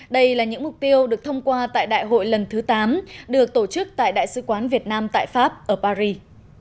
đây là những mục tiêu được thông qua tại đại hội lần thứ tám được tổ chức tại đại sứ quán việt nam tại pháp ở paris